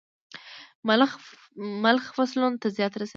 ملخ فصلونو ته زيان رسوي.